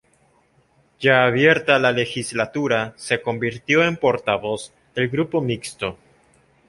Ya abierta la legislatura, se convirtió en portavoz del Grupo Mixto.